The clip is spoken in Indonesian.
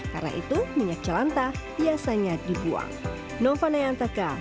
karena itu minyak jelanta biasanya dibuang